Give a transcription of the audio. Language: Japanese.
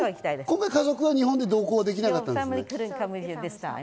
今回は家族、同行できなかったんですか？